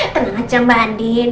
tenang aja mbak andien